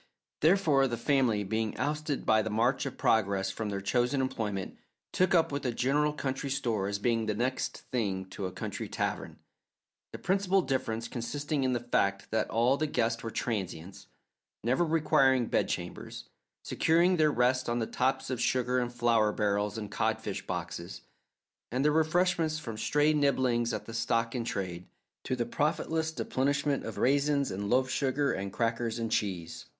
Therefore the family, being ousted by the march of progress from their chosen employment, took up with a general country store as being the next thing to a country tavern, the principal difference consisting in the fact that all the guests were transients, never requiring bedchambers, securing their rest on the tops of sugar and flour barrels and codfish boxes, and their refreshment from stray nibblings at the stock in trade, to the profitless deplenishment of raisins and loaf sugar and crackers and cheese.